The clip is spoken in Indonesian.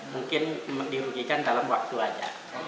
mungkin dirugikan dalam waktu saja